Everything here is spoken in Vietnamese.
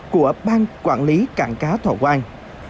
của ban quản lý cảng cá thọ quang